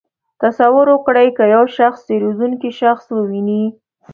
تصور وکړئ که یو شخص تېرېدونکی شخص وویني.